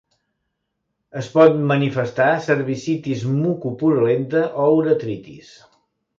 Es pot manifestar cervicitis mucopurulenta o uretritis.